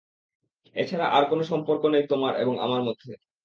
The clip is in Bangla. এছাড়া আর কোন সম্পর্ক নেই তোমার এবং আমার মধ্যে।